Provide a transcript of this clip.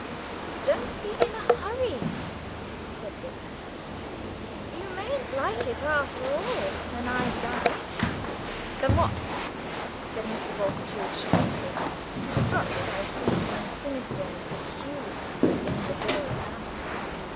"Don't be in a hurry," said Dick, "you mayn't like it after all when I've done it." "Done what?" asked Mr. Bultitude sharply, struck by something sinister and peculiar in the boy's manner.